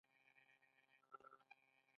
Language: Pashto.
د سر کومه برخه مو خوږیږي؟